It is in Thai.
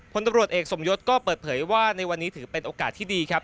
ผลตำรวจเอกสมยศก็เปิดเผยว่าในวันนี้ถือเป็นโอกาสที่ดีครับ